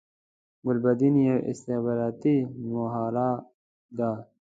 ګلبدین یوه استخباراتی مهره ده